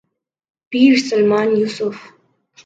Pir Salman Yusuf.